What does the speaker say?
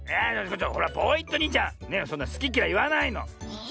ポイットニーちゃんそんなすききらいいわないの！